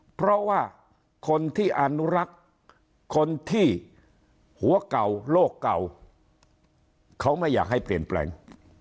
เพราะว่าคนที่อนุรักษ์คนที่หัวเก่าโลกเก่าเขาไม่อยากให้เปลี่ยนแปลง